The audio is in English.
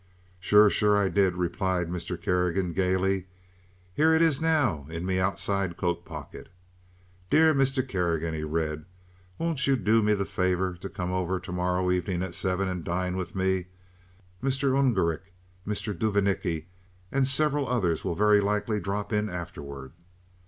"Sure, sure! I did!" replied Mr. Kerrigan, gaily. "Here it is now in me outside coat pocket. 'Dear Mr. Kerrigan,'" he read, "'won't you do me the favor to come over to morrow evening at seven and dine with me? Mr. Ungerich, Mr. Duvanicki, and several others will very likely drop in afterward.